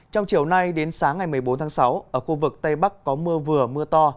trong chiều nay đến sáng ngày một mươi bốn tháng sáu ở khu vực tây bắc có mưa vừa mưa to